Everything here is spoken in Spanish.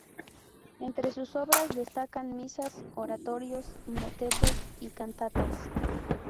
Entre sus obras destacan misas, oratorios, motetes y cantatas.